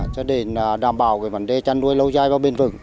cho đến đảm bảo vấn đề chăn nuôi lâu dài vào bên vực